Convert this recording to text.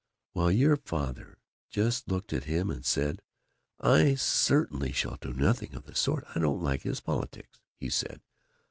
"Well, Your Father just looked at him and said, 'I certainly shall do nothing of the sort. I don't like his politics,' he said.